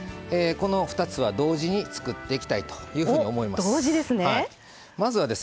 この２つは同時に作っていきたいと思います。